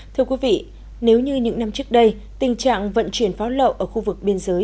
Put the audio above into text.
thưa quý vị nếu như những năm trước đây tình trạng vận chuyển pháo lậu ở khu vực biên giới